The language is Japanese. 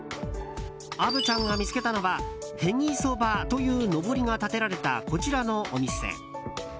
虻ちゃんが見つけたのはへぎそばというのぼりが立てられたこちらのお店。